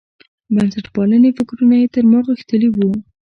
بنسټپالنې فکرونه یې تر ما غښتلي وو.